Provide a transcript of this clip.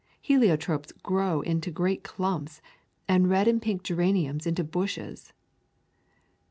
Heliotropes grow into great clumps, and red and pink geraniums into bushes.